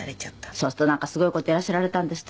そうするとなんかすごい事やらせられたんですって？